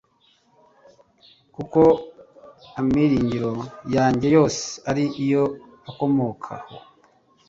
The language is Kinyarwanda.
kuko amiringiro yanjye yose ari yo akomokaho